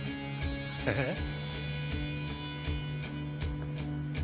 えっ？